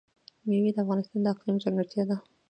مېوې د افغانستان د اقلیم ځانګړتیا ده.